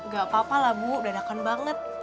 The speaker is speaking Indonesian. gapapa lah bu beradakan banget